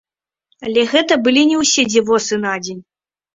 Але гэта былі не ўсе дзівосы на дзень.